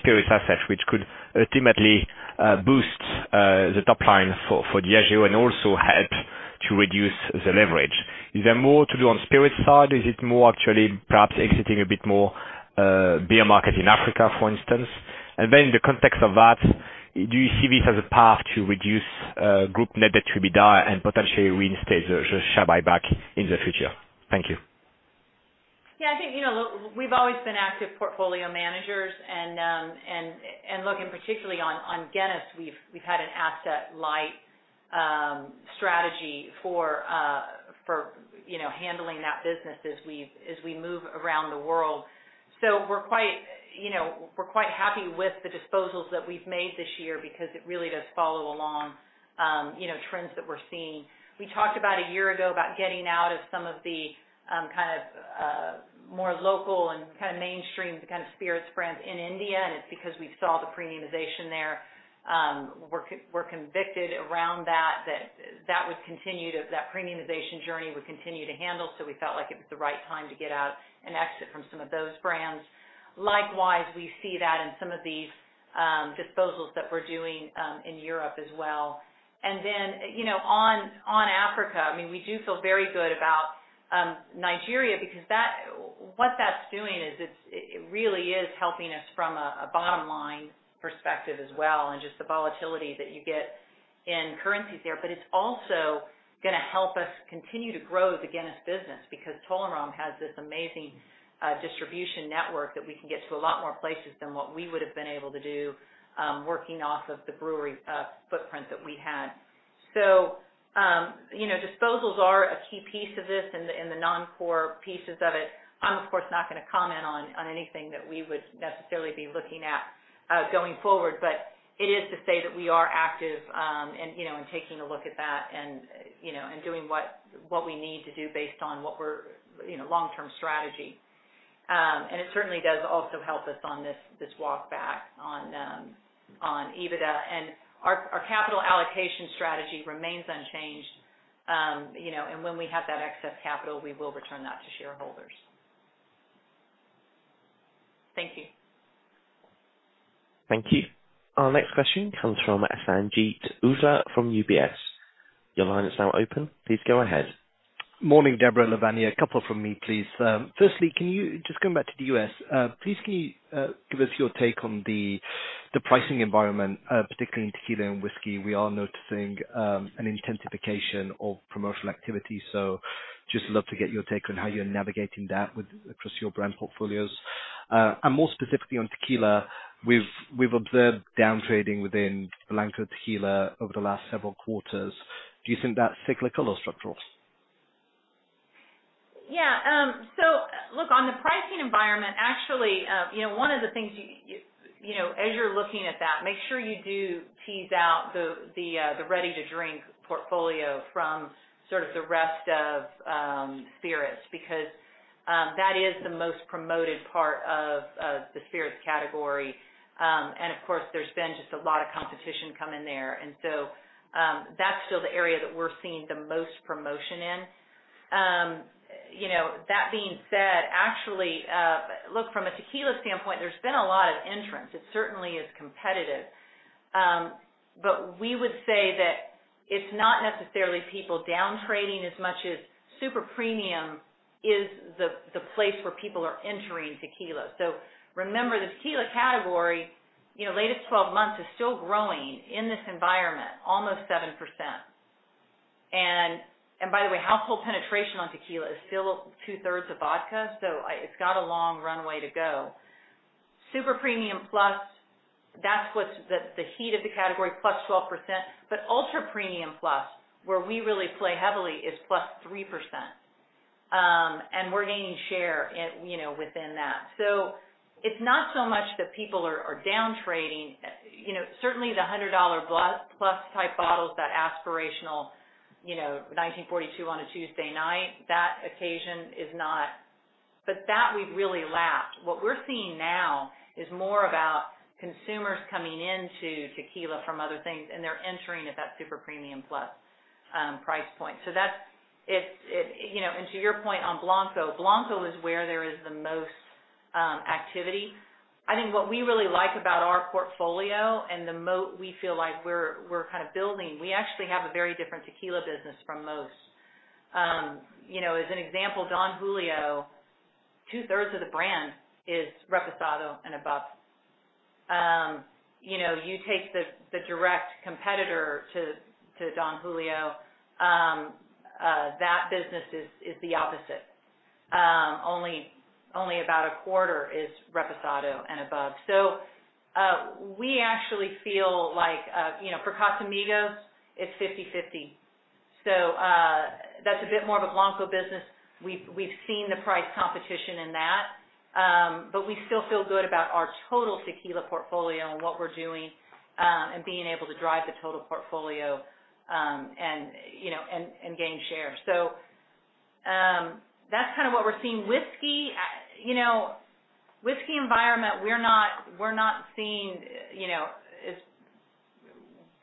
S8: spirits assets, which could ultimately boost the top line for Diageo and also help to reduce the leverage? Is there more to do on spirits side? Is it more actually perhaps exiting a bit more beer market in Africa, for instance? And then in the context of that, do you see this as a path to reduce group net debt to EBITDA and potentially reinstate the share buyback in the future? Thank you.
S2: Yeah, I think, you know, we've always been active portfolio managers and look, and particularly on Guinness, we've had an asset light strategy for, you know, handling that business as we move around the world. So we're quite, you know, we're quite happy with the disposals that we've made this year because it really does follow along, you know, trends that we're seeing. We talked about a year ago about getting out of some of the kind of more local and kind of mainstream, the kind of spirits brands in India, and it's because we saw the premiumization there. We're convinced around that, that would continue to, that premiumization journey would continue to handle, so we felt like it was the right time to get out and exit from some of those brands. Likewise, we see that in some of these, disposals that we're doing, in Europe as well. And then, you know, on, on Africa, I mean, we do feel very good about, Nigeria because that, what that's doing is it's, it, it really is helping us from a, a bottom line perspective as well, and just the volatility that you get in currencies there. But it's also gonna help us continue to grow the Guinness business, because Tolaram has this amazing, distribution network that we can get to a lot more places than what we would have been able to do, working off of the brewery, footprint that we had. So, you know, disposals are a key piece of this and the, and the non-core pieces of it. I'm, of course, not gonna comment on anything that we would necessarily be looking at going forward, but it is to say that we are active, and, you know, and taking a look at that and, you know, and doing what we need to do based on what we're, you know, long-term strategy. And it certainly does also help us on this walk back on EBITDA. And our capital allocation strategy remains unchanged, you know, and when we have that excess capital, we will return that to shareholders. Thank you.
S1: Thank you. Our next question comes from Sanjeet Aujla from UBS. Your line is now open. Please go ahead.
S9: Morning, Debra and Lavanya. A couple from me, please. Firstly, can you, just coming back to the U.S., please can you give us your take on the pricing environment, particularly in tequila and whiskey? We are noticing an intensification of promotional activity, so just love to get your take on how you're navigating that across your brand portfolios. And more specifically on tequila, we've observed downtrading within Blanco Tequila over the last several quarters. Do you think that's cyclical or structural?
S2: Yeah, so look, on the pricing environment, actually, you know, one of the things you know, as you're looking at that, make sure you do tease out the ready to drink portfolio from sort of the rest of spirits, because that is the most promoted part of the spirits category. And of course, there's been just a lot of competition coming there, and so, that's still the area that we're seeing the most promotion in. You know, that being said, actually, look, from a tequila standpoint, there's been a lot of entrants. It certainly is competitive. But we would say that it's not necessarily people downtrading as much as super-premium is the place where people are entering tequila. So remember, the tequila category, you know, latest 12 months is still growing in this environment, almost 7%. And, and by the way, household penetration on tequila is still 2/3 of vodka, so it's got a long runway to go. Super-premium plus, that's what's the heat of the category, +12%. But ultra-premium plus, where we really play heavily, is +3%. And we're gaining share in, you know, within that. So it's not so much that people are downtrading. You know, certainly the +$100 type bottles, that aspirational, you know, 1942 on a Tuesday night, that occasion is not... But that we've really lapped. What we're seeing now is more about consumers coming into tequila from other things, and they're entering at that super-premium plus price point. So that's, and to your point on Blanco, Blanco is where there is the most activity. I think what we really like about our portfolio and we feel like we're, we're kind of building, we actually have a very different tequila business from most. You know, as an example, Don Julio, 2/3 of the brand is Reposado and above. You know, you take the direct competitor to Don Julio, that business is the opposite. Only about a quarter is Reposado and above. So, we actually feel like, you know, for Casamigos, it's 50/50. So, that's a bit more of a Blanco business. We've seen the price competition in that, but we still feel good about our total tequila portfolio and what we're doing, and being able to drive the total portfolio, and, you know, and gain share. So, that's kind of what we're seeing. Whiskey, you know, whiskey environment, we're not seeing, you know, it's...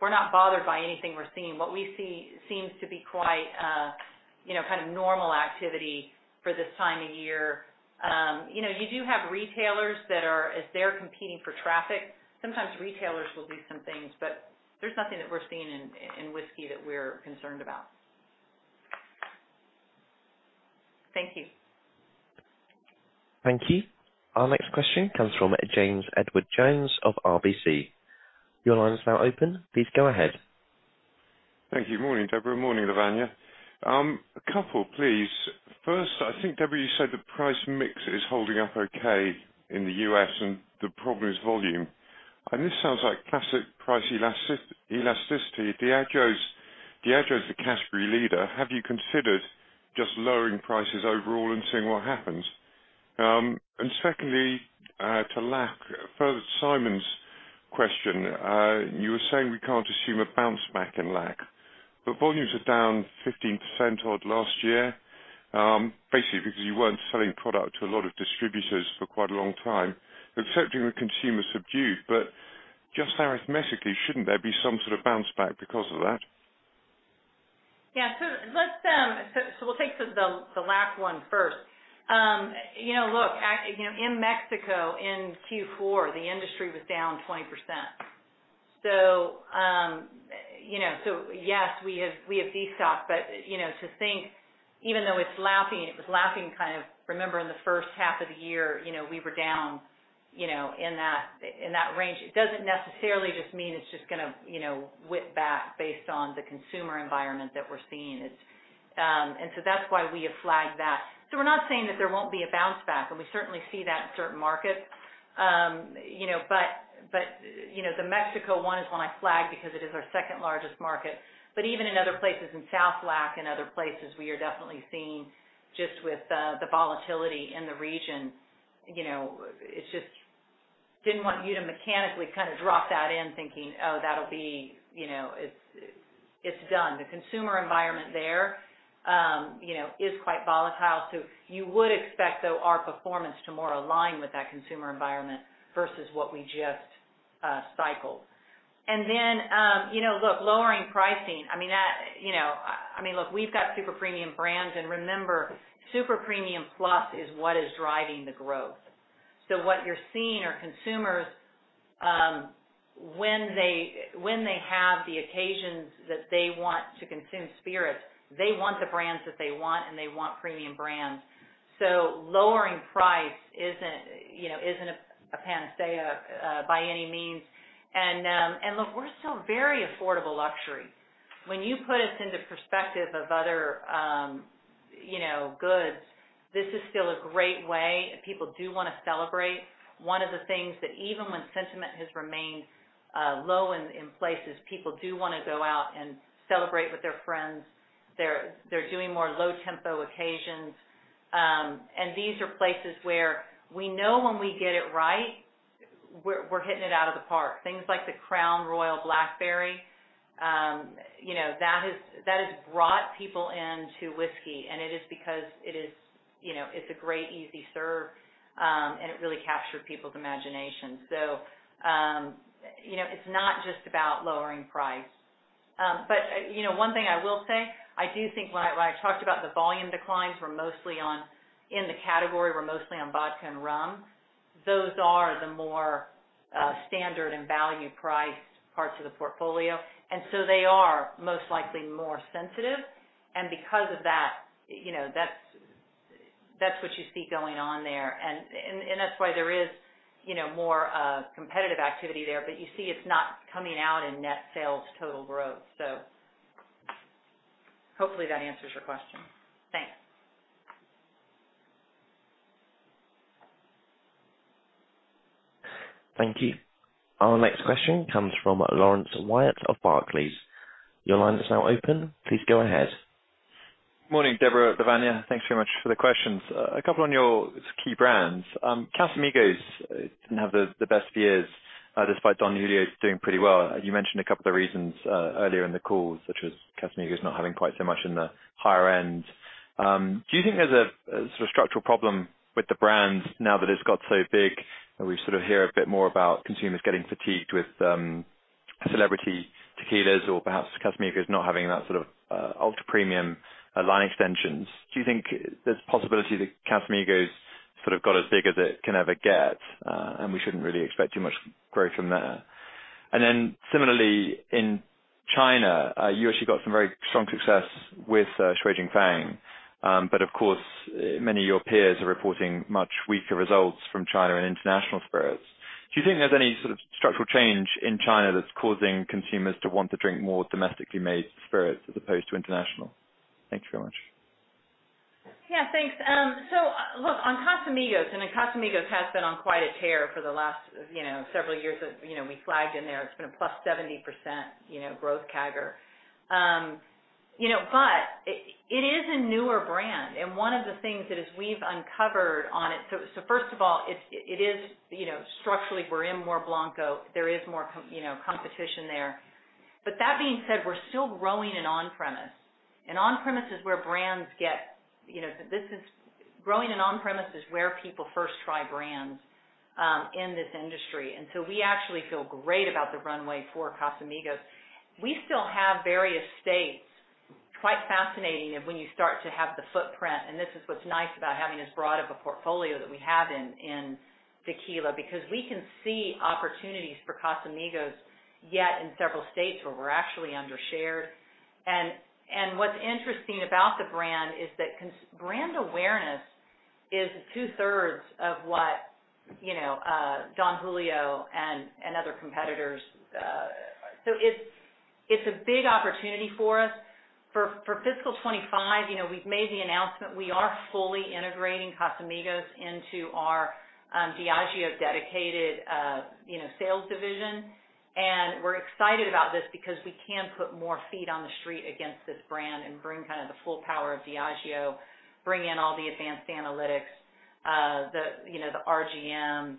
S2: We're not bothered by anything we're seeing. What we see seems to be quite, you know, kind of normal activity for this time of year. You know, you do have retailers that are, as they're competing for traffic, sometimes retailers will do some things, but there's nothing that we're seeing in whiskey that we're concerned about. Thank you.
S1: Thank you. Our next question comes from James Edwardes Jones of RBC. Your line is now open. Please go ahead.
S10: Thank you. Morning, Debra. Morning, Lavanya. A couple, please. First, I think, Debbie, you said the price mix is holding up okay in the U.S., and the problem is volume. And this sounds like classic price elasticity. Diageo is the category leader. Have you considered just lowering prices overall and seeing what happens? And secondly, to LAC, further to Simon's question, you were saying we can't assume a bounce back in LAC, but volumes are down 15% odd last year, basically because you weren't selling product to a lot of distributors for quite a long time, except when the consumer subdued. But just arithmetically, shouldn't there be some sort of bounce back because of that?
S2: Yeah, so let's take the LAC one first. You know, look, in Mexico, in Q4, the industry was down 20%. So, you know, yes, we have destocked, but, you know, to think even though it's lapping, it was lapping, kind of remember in the first half of the year, you know, we were down, you know, in that range. It doesn't necessarily just mean it's just gonna whip back based on the consumer environment that we're seeing. It's, and so that's why we have flagged that. So we're not saying that there won't be a bounce back, and we certainly see that in certain markets. You know, but the Mexico one is one I flagged because it is our second largest market. But even in other places, in South LAC and other places, we are definitely seeing just with, the volatility in the region, you know, it's just didn't want you to mechanically kind of drop that in thinking, oh, that'll be, you know, it's, it's done- The consumer environment there, you know, is quite volatile, so you would expect, though, our performance to more align with that consumer environment versus what we just, cycled. And then, you know, look, lowering pricing, I mean, that, you know, I mean, look, we've got super premium brands, and remember, super-premium plus is what is driving the growth. So what you're seeing are consumers, when they, when they have the occasions that they want to consume spirits, they want the brands that they want, and they want premium brands. So lowering price isn't, you know, isn't a panacea by any means. And look, we're still very affordable luxury. When you put us into perspective of other, you know, goods, this is still a great way, and people do wanna celebrate. One of the things that even when sentiment has remained low in places, people do wanna go out and celebrate with their friends. They're doing more low-tempo occasions. And these are places where we know when we get it right, we're hitting it out of the park. Things like the Crown Royal Blackberry, you know, that has brought people into whiskey, and it is because it is, you know, it's a great easy serve, and it really captured people's imagination. So, you know, it's not just about lowering price. But, you know, one thing I will say, I do think when I, when I talked about the volume declines, we're mostly on in the category, we're mostly on vodka and rum. Those are the more standard and value priced parts of the portfolio, and so they are most likely more sensitive, and because of that, you know, that's what you see going on there. And that's why there is, you know, more competitive activity there, but you see it's not coming out in net sales total growth. So hopefully that answers your question. Thanks.
S1: Thank you. Our next question comes from Laurence Whyatt of Barclays. Your line is now open. Please go ahead.
S11: Morning, Debra, Lavanya. Thanks very much for the questions. A couple on your key brands. Casamigos didn't have the best years, despite Don Julio doing pretty well. You mentioned a couple of the reasons earlier in the call, such as Casamigos not having quite so much in the higher end. Do you think there's a sort of structural problem with the brand now that it's got so big, and we sort of hear a bit more about consumers getting fatigued with celebrity tequilas or perhaps Casamigos not having that sort of ultra-premium line extensions? Do you think there's a possibility that Casamigos sort of got as big as it can ever get, and we shouldn't really expect too much growth from there? And then similarly, in China, you actually got some very strong success with Shui Jing Fang. But of course, many of your peers are reporting much weaker results from China and international spirits. Do you think there's any sort of structural change in China that's causing consumers to want to drink more domestically made spirits as opposed to international? Thank you so much.
S2: Yeah, thanks. So look, on Casamigos, and Casamigos has been on quite a tear for the last, you know, several years. You know, we flagged in there, it's been a +70% growth CAGR. You know, but it is a newer brand, and one of the things that we've uncovered on it. So first of all, it is, you know, structurally, we're in more Blanco. There is more competition there. But that being said, we're still growing in on-premise, and on-premise is where brands get, you know, growing in on-premise is where people first try brands in this industry. And so we actually feel great about the runway for Casamigos. We still have various states, quite fascinating of when you start to have the footprint, and this is what's nice about having as broad of a portfolio that we have in tequila, because we can see opportunities for Casamigos, yet in several states where we're actually under-shared. And what's interesting about the brand is that brand awareness is two-thirds of what, you know, Don Julio and other competitors. So it's a big opportunity for us. For fiscal 2025, you know, we've made the announcement, we are fully integrating Casamigos into our Diageo dedicated, you know, sales division. And we're excited about this because we can put more feet on the street against this brand and bring kind of the full power of Diageo, bring in all the advanced analytics, the, you know, the RGM,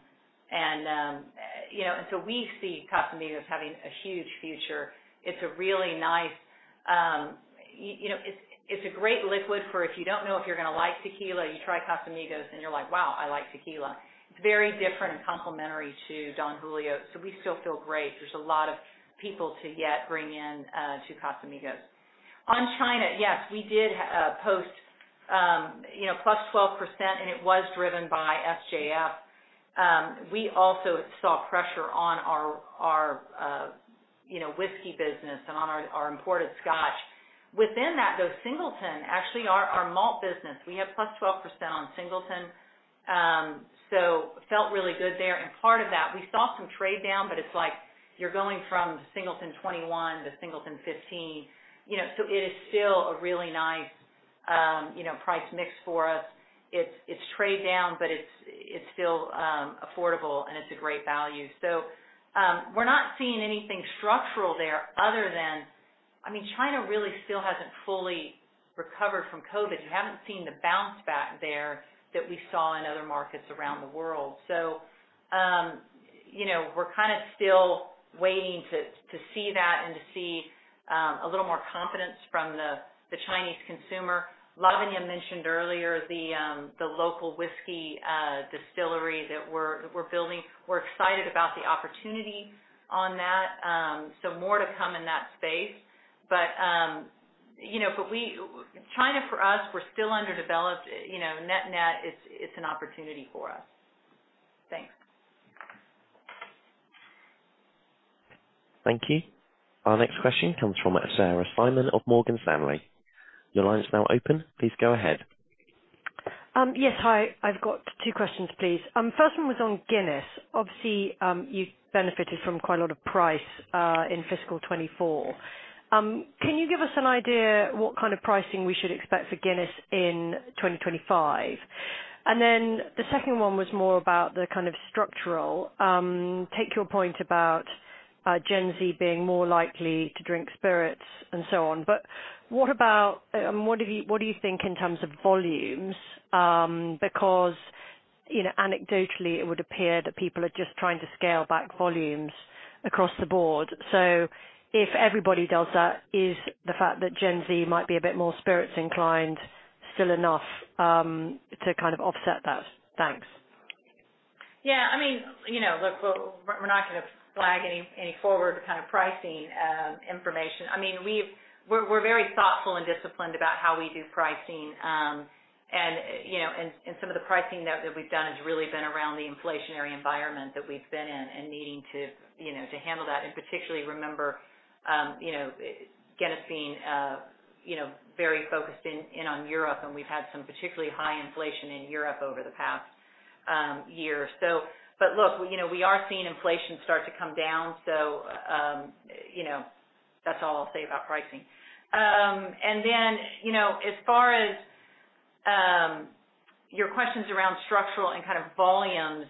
S2: and, you know, and so we see Casamigos having a huge future. It's a really nice, you know, it's, it's a great liquid for if you don't know if you're gonna like tequila, you try Casamigos, and you're like: Wow, I like tequila. It's very different and complementary to Don Julio, so we still feel great. There's a lot of people to yet bring in, to Casamigos. On China, yes, we did, post, you know, +12%, and it was driven by SJF. We also saw pressure on our, our, you know, whiskey business and on our, our imported scotch. Within that, though, Singleton, actually, our, our malt business, we have +12% on Singleton. So felt really good there, and part of that, we saw some trade down, but it's like you're going from Singleton 21 to Singleton 15. You know, so it is still a really nice, you know, price mix for us. It's, it's trade down, but it's, it's still, affordable, and it's a great value. So, we're not seeing anything structural there other than... I mean, China really still hasn't fully recovered from COVID. You haven't seen the bounce back there that we saw in other markets around the world. So, you know, we're kind of still waiting to, to see that and to see, a little more confidence from the, the Chinese consumer. Lavanya mentioned earlier the, the local whiskey distillery that we're, we're building. We're excited about the opportunity on that. So more to come in that space, but, you know, but China, for us, we're still underdeveloped. You know, net-net, it's an opportunity for us. Thanks.
S1: Thank you. Our next question comes from Sarah Simon of Morgan Stanley. Your line is now open. Please go ahead.
S12: Yes, hi. I've got two questions, please. First one was on Guinness. Obviously, you benefited from quite a lot of price in fiscal 2024. Can you give us an idea what kind of pricing we should expect for Guinness in 2025? And then the second one was more about the kind of structural. Take your point about Gen Z being more likely to drink spirits and so on, but what about what do you think in terms of volumes? Because, you know, anecdotally, it would appear that people are just trying to scale back volumes across the board. So if everybody does that, is the fact that Gen Z might be a bit more spirits inclined, still enough to kind of offset that? Thanks.
S2: Yeah, I mean, you know, look, we're not going to flag any forward kind of pricing information. I mean, we've. We're very thoughtful and disciplined about how we do pricing. And, you know, some of the pricing that we've done has really been around the inflationary environment that we've been in and needing to, you know, to handle that, and particularly remember, you know, Guinness being very focused in on Europe, and we've had some particularly high inflation in Europe over the past year. So, but look, you know, we are seeing inflation start to come down, so, you know, that's all I'll say about pricing. And then, you know, as far as your questions around structural and kind of volumes-based,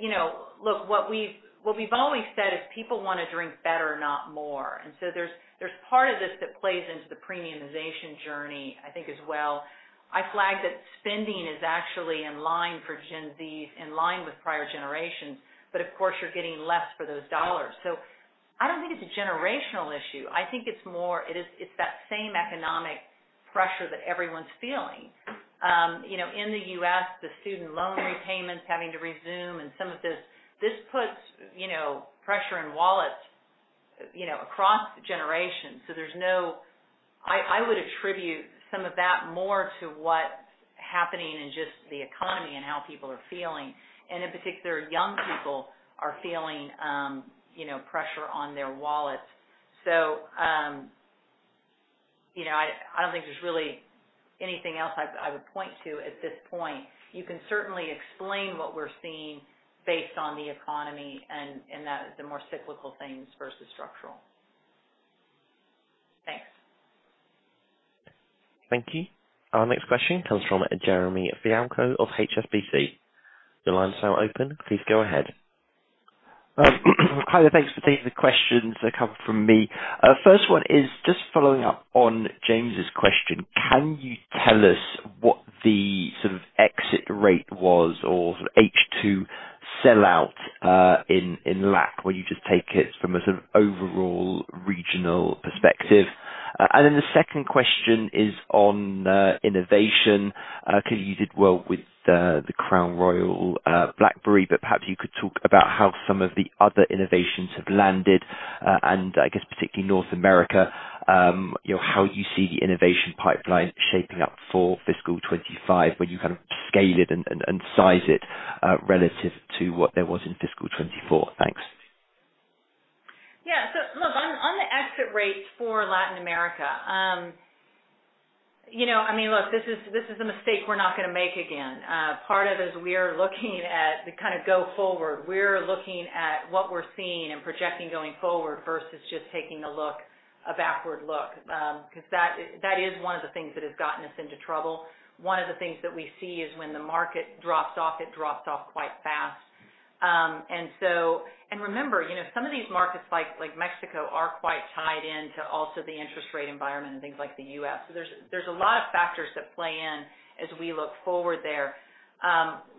S2: you know, look, what we've, what we've always said is people want to drink better, not more. And so there's, there's part of this that plays into the premiumization journey, I think, as well. I flagged that spending is actually in line for Gen Z, in line with prior generations, but of course, you're getting less for those dollars. So I don't think it's a generational issue. I think it's more, it is- it's that same economic pressure that everyone's feeling. You know, in the U.S., the student loan repayments having to resume and some of this, this puts, you know, pressure in wallets, you know, across generations. So there's no... I, I would attribute some of that more to what's happening in just the economy and how people are feeling. In particular, young people are feeling, you know, pressure on their wallets. So, you know, I don't think there's really anything else I would point to at this point. You can certainly explain what we're seeing based on the economy and the more cyclical things versus structural. Thanks.
S1: Thank you. Our next question comes from Jeremy Fialko of HSBC. Your line is now open. Please go ahead.
S13: Hi, thanks for taking the questions that come from me. First one is just following up on James's question: Can you tell us what the sort of exit rate was or sort of H2 sellout in LAC, where you just take it from a sort of overall regional perspective? And then the second question is on innovation. Clearly, you did well with the Crown Royal Blackberry, but perhaps you could talk about how some of the other innovations have landed, and I guess particularly North America, you know, how you see the innovation pipeline shaping up for fiscal 2025, when you kind of scale it and size it relative to what there was in fiscal 2024. Thanks.
S2: Exit rates for Latin America. You know, I mean, look, this is, this is a mistake we're not gonna make again. Part of as we are looking at the kind of go forward, we're looking at what we're seeing and projecting going forward versus just taking a look, a backward look. Beause that, that is one of the things that has gotten us into trouble. One of the things that we see is when the market drops off, it drops off quite fast. And so, and remember, you know, some of these markets, like, like Mexico, are quite tied in to also the interest rate environment and things like the U.S. So there's, there's a lot of factors that play in as we look forward there.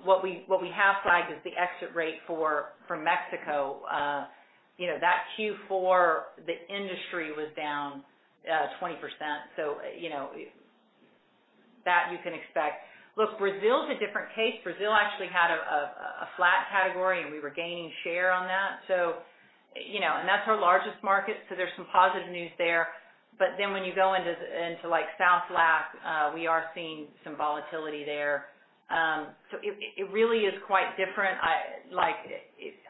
S2: What we, what we have flagged is the exit rate for, from Mexico. You know, that Q4, the industry was down 20%, so you know, that you can expect. Look, Brazil is a different case. Brazil actually had a flat category, and we were gaining share on that. So you know, and that's our largest market, so there's some positive news there. But then when you go into like South LAC, we are seeing some volatility there. So it really is quite different. Like,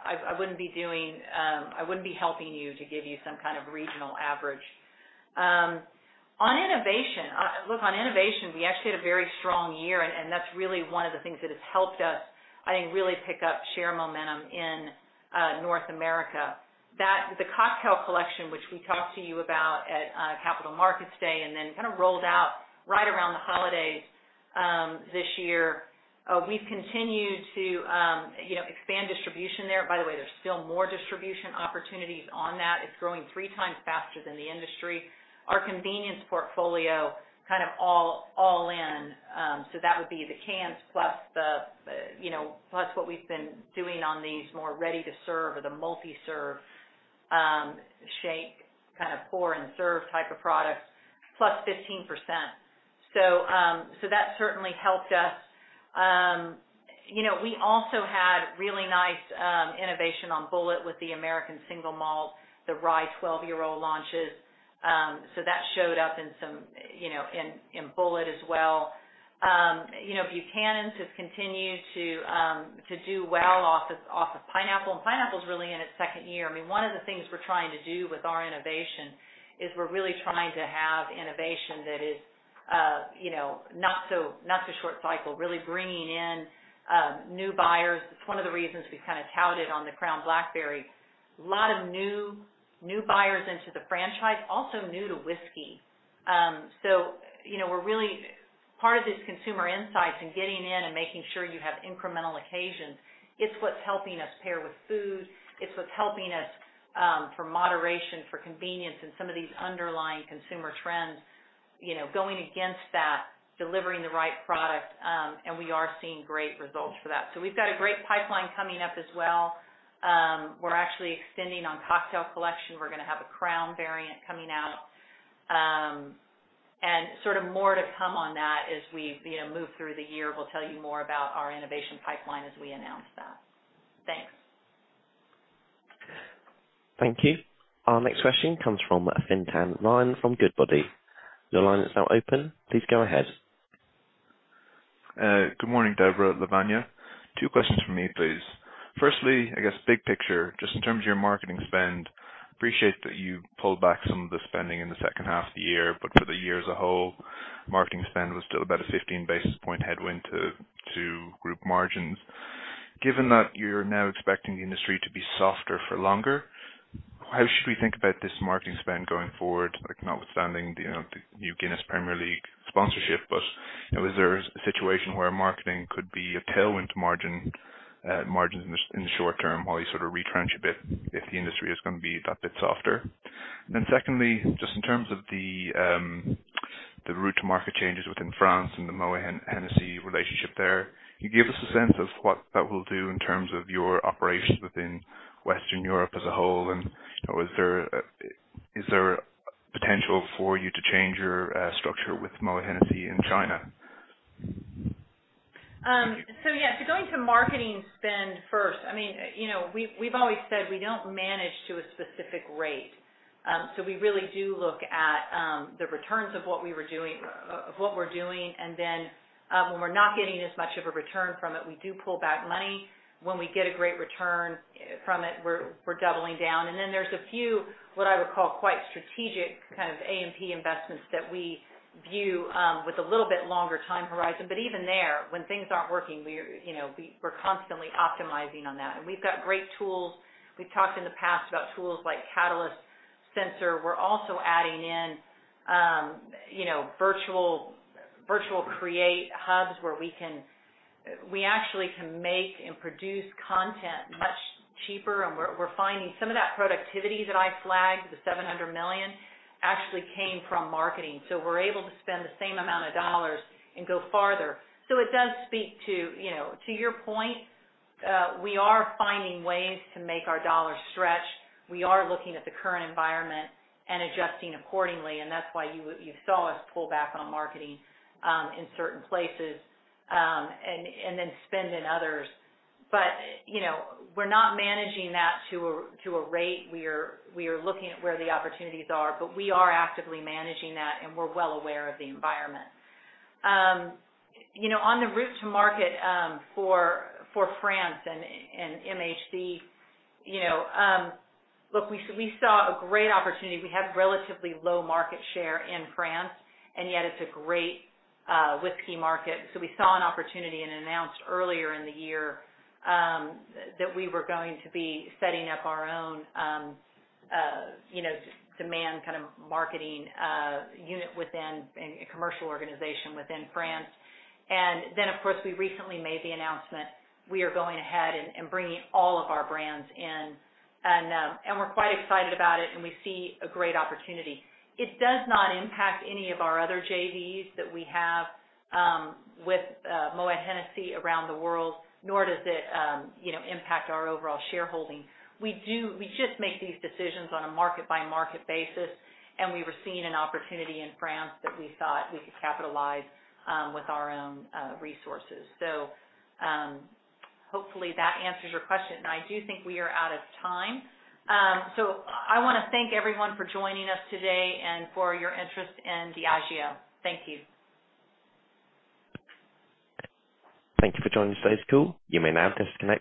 S2: I wouldn't be doing, I wouldn't be helping you to give you some kind of regional average. On innovation. Look, on innovation, we actually had a very strong year, and that's really one of the things that has helped us, I think, really pick up share momentum in North America. That, The Cocktail Collection, which we talked to you about at Capital Markets Day, and then kind of rolled out right around the holidays, this year. We've continued to, you know, expand distribution there. By the way, there's still more distribution opportunities on that. It's growing three times faster than the industry. Our convenience portfolio kind of all in. So that would be the cans, plus the, you know, plus what we've been doing on these more ready-to-serve or the multi-serve, shake, kind of pour-and-serve type of products, plus 15%. So, so that certainly helped us. You know, we also had really nice innovation on Bulleit with the American single malt, the Rye 12-year-old launches. So that showed up in some, you know, in, in Bulleit as well. You know, Buchanan’s has continued to do well off of Pineapple, and Pineapple is really in its second year. I mean, one of the things we're trying to do with our innovation is we're really trying to have innovation that is, you know, not so short cycle, really bringing in new buyers. It's one of the reasons we've kind of touted on the Crown Royal Blackberry. A lot of new buyers into the franchise, also new to whiskey. So, you know, we're really part of this consumer insights and getting in and making sure you have incremental occasions; it's what's helping us pair with food. It's what's helping us for moderation, for convenience and some of these underlying consumer trends, you know, going against that, delivering the right product, and we are seeing great results for that. So we've got a great pipeline coming up as well. We're actually extending on cocktail collection. We're gonna have a Crown variant coming out. And sort of more to come on that as we, you know, move through the year. We'll tell you more about our innovation pipeline as we announce that. Thanks.
S1: Thank you. Our next question comes from Fintan Ryan from Goodbody. Your line is now open. Please go ahead.
S14: Good morning, Debra, Lavanya. Two questions for me, please. Firstly, I guess big picture, just in terms of your marketing spend, appreciate that you pulled back some of the spending in the second half of the year, but for the year as a whole, marketing spend was still about a 15 basis point headwind to group margins. Given that you're now expecting the industry to be softer for longer, how should we think about this marketing spend going forward? Like, notwithstanding the, you know, the new Guinness Premier League sponsorship, but, you know, is there a situation where marketing could be a tailwind to margin, margins in the, in the short term, while you sort of retrench a bit if the industry is gonna be that bit softer? Then secondly, just in terms of the route to market changes within France and the Moët Hennessy relationship there, can you give us a sense of what that will do in terms of your operations within Western Europe as a whole, and, or is there potential for you to change your structure with Moët Hennessy in China?
S2: So yeah, so going to marketing spend first. I mean, you know, we've always said we don't manage to a specific rate. So we really do look at the returns of what we were doing, of what we're doing, and then when we're not getting as much of a return from it, we do pull back money. When we get a great return from it, we're doubling down, and then there's a few, what I would call, quite strategic, kind of A&P investments that we view with a little bit longer time horizon. But even there, when things aren't working, we're constantly optimizing on that. And we've got great tools. We've talked in the past about tools like Catalyst, Sensor. We're also adding in, you know, virtual, virtual create hubs where we can, we actually can make and produce content much cheaper, and we're finding some of that productivity that I flagged, the $700 million actually came from marketing. So we're able to spend the same amount of dollars and go farther. So it does speak to, you know, to your point, we are finding ways to make our dollars stretch. We are looking at the current environment and adjusting accordingly, and that's why you saw us pull back on marketing in certain places and then spend in others. But, you know, we're not managing that to a rate. We are looking at where the opportunities are, but we are actively managing that, and we're well aware of the environment. You know, on the route to market, for France and MH, you know, look, we saw a great opportunity. We had relatively low market share in France, and yet it's a great whiskey market. So we saw an opportunity and announced earlier in the year, that we were going to be setting up our own, you know, demand kind of marketing unit within a commercial organization within France. And then, of course, we recently made the announcement, we are going ahead and bringing all of our brands in, and we're quite excited about it, and we see a great opportunity. It does not impact any of our other JVs that we have, with Moët Hennessy around the world, nor does it, you know, impact our overall shareholding. We just make these decisions on a market-by-market basis, and we were seeing an opportunity in France that we thought we could capitalize with our own resources. So, hopefully, that answers your question. I do think we are out of time. I want to thank everyone for joining us today and for your interest in Diageo. Thank you.
S1: Thank you for joining today's call. You may now disconnect your line.